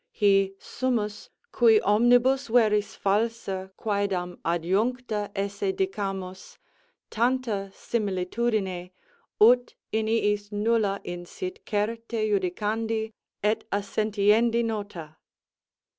Hi sumus, qui omnibus veris falsa quodam adjuncta esse dicamus, tanta similitudine, ut in iis nulla insit certe judicandi et assentiendi nota.